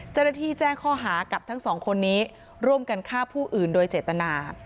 เจ้าหน้าที่แจ้งข้อหากับทั้งสองคนนี้ร่วมกันฆ่าผู้อื่นโดยเจตนา